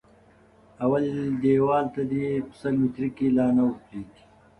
اول دېوال ته دې په سل ميتري کې لا نه ور پرېږدي.